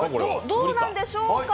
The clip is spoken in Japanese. どうなんでしょうか。